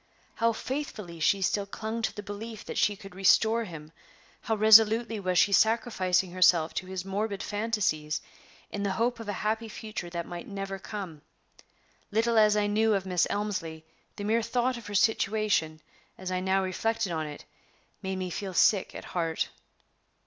How faithfully she still clung to the belief that she could restore him! How resolutely was she sacrificing herself to his morbid fancies, in the hope of a happy future that might never come! Little as I knew of Miss Elmslie, the mere thought of her situation, as I now reflected on it, made me feel sick at heart.